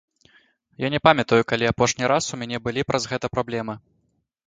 Я не памятаю, калі апошні раз у мяне былі праз гэта праблемы.